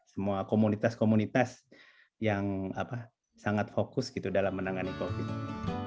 semua komunitas komunitas yang sangat fokus dalam menangani covid